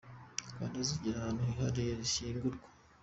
Rwanda zigira ahantu hihariye zishyingurwa.